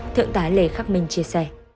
thượng tá lê khắc minh chia sẻ